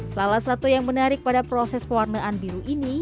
salah satu yang menarik pada proses pewarnaan biru ini